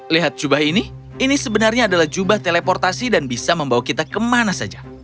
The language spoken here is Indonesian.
lihat jubah ini ini sebenarnya adalah jubah teleportasi dan bisa membawa kita kemana saja